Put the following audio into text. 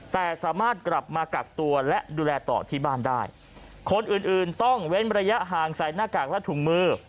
แต่สามารถกลับมากักตัวและดูแลต่อที่บ้านได้คนอื่นอื่นต้องเว้นระยะห่างใส่หน้ากากและถุงมือ